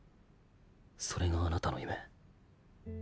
それがあなたのゆめ。